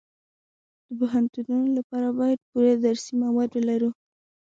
د پوهنتونونو لپاره باید پوره درسي مواد ولرو